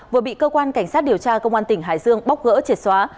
vừa bị cơ quan cảnh sát điều tra công an tỉnh hải dương bóc gỡ triệt xóa